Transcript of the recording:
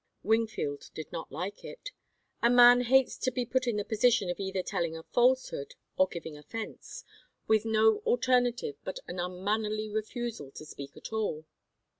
Wingfield did not like it. A man hates to be put in the position of either telling a falsehood or giving offence, with no alternative but an unmannerly refusal to speak at all.